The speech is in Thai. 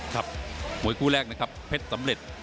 ครับหมวยกู้แรกนะครับเพชรสำเร็จ